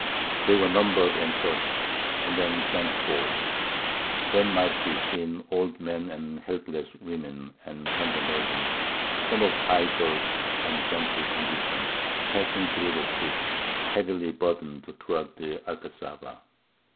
They were numbered and searched, and then sent forth. "Then might be seen old men and helpless women and tender maidens, some of high birth and gentle condition, passing through the streets, heavily burdened, towards the Alcazaba.